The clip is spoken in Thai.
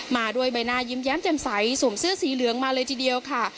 มาด้วยใบหน้ายิ้มแย้มแจ่มใสสวมเสื้อสีเหลืองมาเลยทีเดียวค่ะ